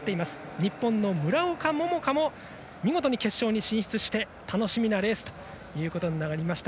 日本の村岡桃佳も見事に決勝に進出して楽しみなレースになりました。